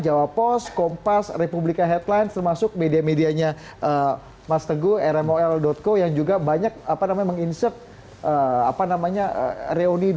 jawa post kompas republika headline termasuk media medianya mas tengguh rmol co yang juga banyak apa namanya menginsert apa namanya reuni dua ratus dua belas